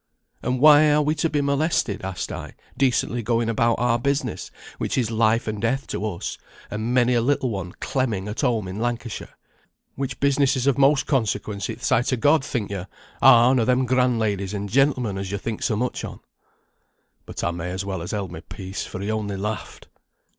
"'And why are we to be molested?' asked I, 'going decently about our business, which is life and death to us, and many a little one clemming at home in Lancashire? Which business is of most consequence i' the sight o' God, think yo, our'n or them gran ladies and gentlemen as yo think so much on?' "But I might as well ha' held my peace, for he only laughed."